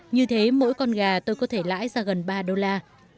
như thế mỗi con gà tôi có thể lãi ra gần ba đô la